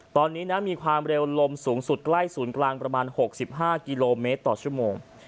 ตอนนี้นะมีความเร็วลมสูงสุดใกล้ศูนย์กลางประมาณ๖๕กิโลเมตรต่อชั่วโมง